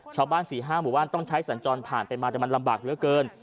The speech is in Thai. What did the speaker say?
ชาวบ้าน๔๕หมู่บ้านต้องใช้สัญจรผ่านไปมาแต่มันลำบากเหลือเกิน